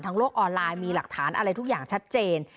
โลกออนไลน์มีหลักฐานอะไรทุกอย่างชัดเจน